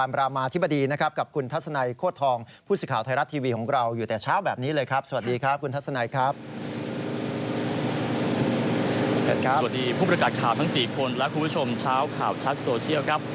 สวัสดีครับสวัสดีผู้ประกาศข่าวทั้ง๔คนและคุณผู้ชมเช้าข่าวชัดโซเชียลครับ